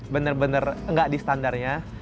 bener bener nggak di standarnya